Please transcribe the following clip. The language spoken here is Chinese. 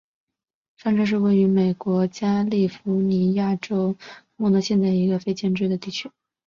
上镇是位于美国加利福尼亚州莫诺县的一个非建制地区。